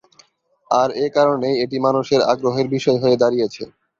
আর এ কারণেই এটি মানুষের আগ্রহের বিষয় হয়ে দাঁড়িয়েছে।